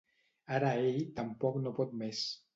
Ara ell tampoc no pot més.